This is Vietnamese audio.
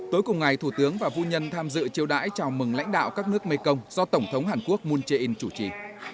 tối cùng ngày thủ tướng và vũ nhân tham dự chiêu đãi chào mừng lãnh đạo các nước mekong do tổng thống hàn quốc moon jae in chủ trì